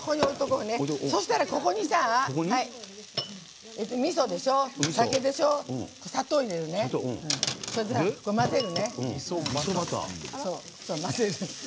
そうしたら、ここにみそでしょ、酒でしょ砂糖入れるね、混ぜるね。